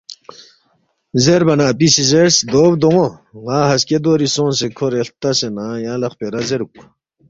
زیربا نہ اپی سی زیرس، ”دو بدون٘و، ن٘ا ہسکے دوری سونگسے کھورے ہلتسے نہ یانگ لہ خپیرا زیرُوک